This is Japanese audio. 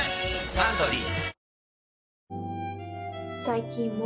サントリー